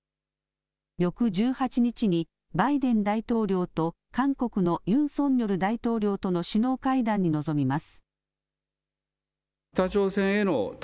翌１８日にバイデン大統領と韓国のユン・ソンニョル大統領との首脳会談に臨みます。